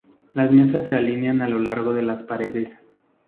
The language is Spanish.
Las mesas se alinean a lo largo de las paredes.